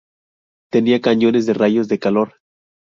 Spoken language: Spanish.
Tenía cañones de rayos de calor.